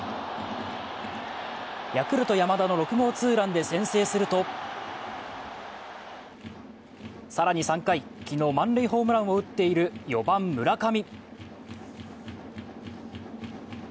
ヤクルト・山田の６号ツーランで先制すると更に３回、昨日、満塁ホームランを打っている４番・村上。